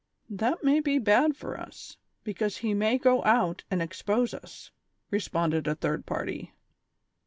" That may be bad for us, because he may go out and expose us," responded a third party.